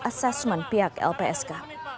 asesmen pihak lpsk